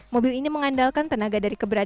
mobil ini mengandalkan tenaga dari keberadaan